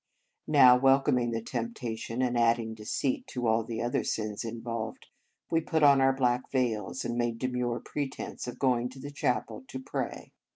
Now, welcom ing the temptation, and adding deceit to all the other sins involved, we put on our black veils, and made demure pretence of going to the chapel to pray.